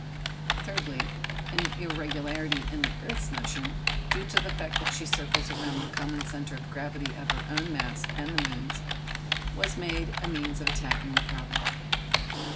Thirdly, an irregularity in the earth's motion, due to the fact that she circles around the common centre of gravity of her own mass and the moon's, was made a means of attacking the problem.